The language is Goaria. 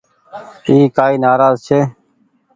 اي ڪآئي نآراز ڇي۔